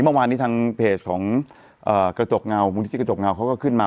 เมื่อวานนี้ทางเพจของกระจกเงามูลนิธิกระจกเงาเขาก็ขึ้นมา